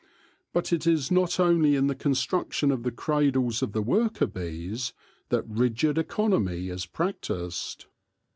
But it is not only in the construction of the cradles of the worker bees that rigid economy is practised.